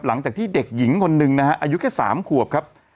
หลังจากที่เด็กหญิงคนหนึ่งนะฮะอายุแค่๓ขวบครับ